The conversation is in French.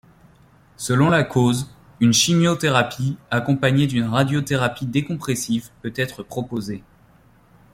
Selon la cause, une chimiothérapie, accompagnée d'une radiothérapie décompressive, peut être proposée.